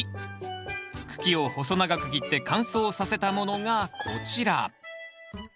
茎を細長く切って乾燥させたものがこちら。